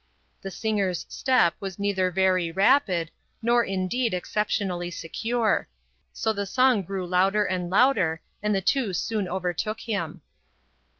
The singer's step was neither very rapid, nor, indeed, exceptionally secure; so the song grew louder and louder and the two soon overtook him.